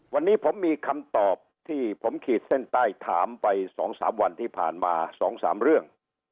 วันนี้ผมมีคำตอบที่ผมขีดเส้นใต้ถามไป๒๓วันที่ผ่านมา๒๓เรื่อง